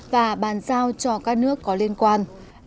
và bàn giao cho các nước có liên quan